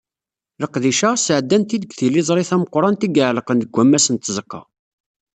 Leqdic-a, sɛeddan-t-id deg tiliẓri tameqqrant i iɛellqen deg wammas n tzeqqa.